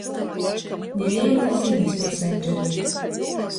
Nivīnys zinis mesendžerī.